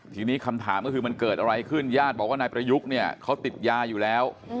ทีนี้คำถามก็คือมันเกิดอะไรขึ้นญาติบอกว่านายประยุกต์เนี่ยเขาติดยาอยู่แล้ว